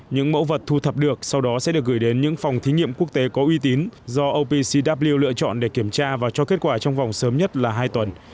những mẫu vật thu thập được sau đó sẽ được gửi đến những phòng thí nghiệm quốc tế có uy tín do opcw lựa chọn để kiểm tra và cho kết quả trong vòng sớm nhất là hai tuần